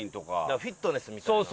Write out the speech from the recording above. だからフィットネスみたいな。